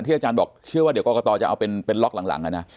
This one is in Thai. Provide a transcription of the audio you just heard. ที่อาจารย์บอกเชื่อว่าเดี๋ยวก็ก็ตอจะเอาเป็นเป็นล็อกหลังหลังอ่ะน่ะ